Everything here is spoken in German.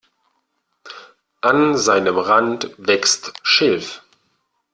An seinem Rand wächst Schilf.